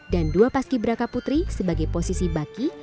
dan dua paski beraka putri sebagai posisi baki